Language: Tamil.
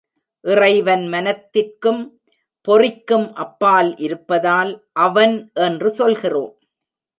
இறைவன் மனத்திற்கும் பொறிக்கும் அப்பால் இருப்பதால் அவன் என்று சொல்கிறோம்.